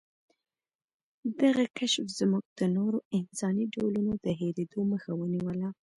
دغه کشف زموږ د نورو انساني ډولونو د هېرېدو مخه ونیوله.